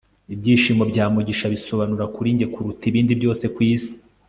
ibyishimo bya mugisha bisobanura kuri njye kuruta ibindi byose kwisi